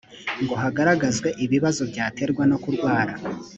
ngo hagaragazwe ibibazo byaterwa nokurwara